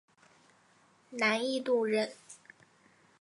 南印度人。